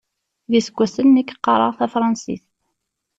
D iseggasen nekk qqareɣ tafransist.